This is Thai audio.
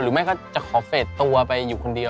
แม่ก็จะขอเฟสตัวไปอยู่คนเดียว